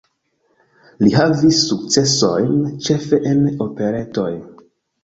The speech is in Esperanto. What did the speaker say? Li havis sukcesojn ĉefe en operetoj.